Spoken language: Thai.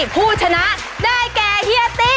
ผู้ชนะได้แก่เฮียตี้